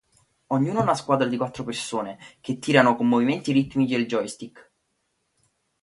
Ciascuno ha una squadra di quattro persone che tirano con movimenti ritmici del joystick.